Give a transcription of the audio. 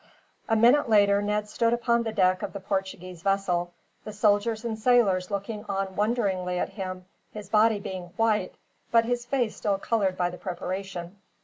A minute later Ned stood upon the deck of the Portuguese vessel, the soldiers and sailors looking on wonderingly at him, his body being white, but his face still colored by the preparation.